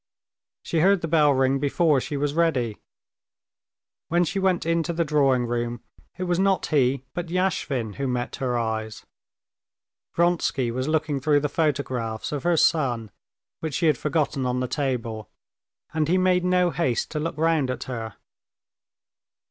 She heard the bell ring before she was ready. When she went into the drawing room it was not he, but Yashvin, who met her eyes. Vronsky was looking through the photographs of her son, which she had forgotten on the table, and he made no haste to look round at her.